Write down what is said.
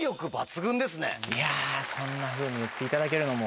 いやそんなふうに言っていただけるのも。